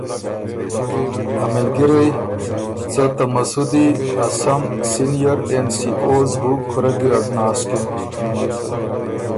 ا مِلګرئ څۀ ته مسُودی ا سم سېنئر اېن سی اوز بُو کُورۀ ګیرډ ناسکِن،